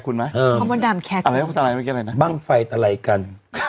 ข้อโมดดำแคร์เกิดอะไรบ้างไฟไตลัยกัน